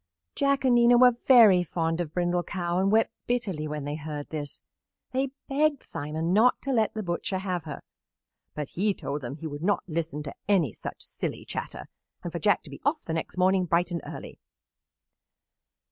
Jack and Nina were very fond of Brindle Cow and wept bitterly when they heard this. They begged Simon not to let the butcher have her, but he told them he would not listen to any such silly chatter and for Jack to be off the next morning bright and early.